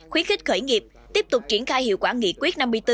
khuyến khích khởi nghiệp tiếp tục triển khai hiệu quả nghị quyết năm mươi bốn